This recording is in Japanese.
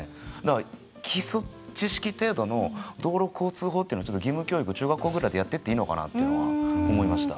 基礎知識程度の道路交通法っていうのちょっと義務教育中学校ぐらいでやってっていいのかなってのは思いました。